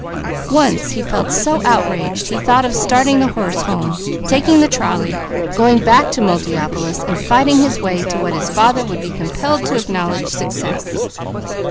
Once he felt so outraged he thought of starting the horse home, taking the trolley, going back to Multiopolis and fighting his way to what his father would be compelled to acknowledge success.